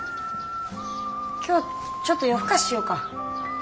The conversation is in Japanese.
今日ちょっと夜更かししようか。